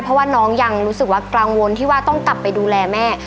เพราะว่าน้องยังรู้สึกว่ากังวลที่ว่าต้องกลับไปดูแลแม่